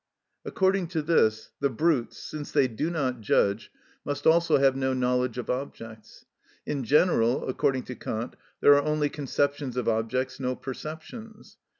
According to this, the brutes, since they do not judge, must also have no knowledge of objects. In general, according to Kant, there are only conceptions of objects, no perceptions.